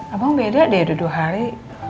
abang beda deh dua dua hari